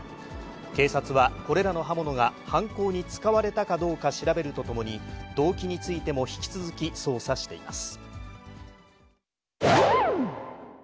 警察は、これらの刃物が犯行に使われたかどうか調べるとともに、動機についても引き続き捜査しています。